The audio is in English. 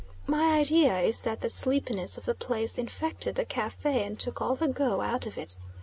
My idea is that the sleepiness of the place infected the cafe and took all the go out of it.